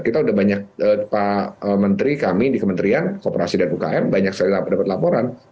pak menteri kami di kementerian koperasi dan umkm banyak saya dapat laporan